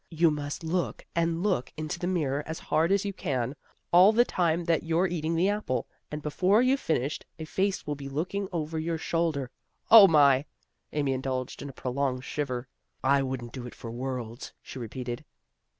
" You must look and look into the mirror as hard as you can, all the time that you're eating the apple. And, before you've finished, a face will be looking over your shoulder. O A HALLOWE'EN PARTY 81 my! " Amy indulged in a prolonged shiver. " I wouldn't do it for worlds," she repeated.